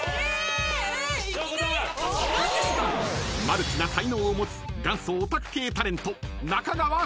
［マルチな才能を持つ元祖オタク系タレント］